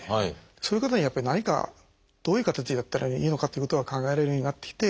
そういう方にやっぱり何かどういう形でやったらいいのかということが考えられるようになってきて。